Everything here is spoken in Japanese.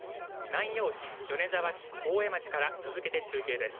南陽市、米沢市、大江町から続けて中継です。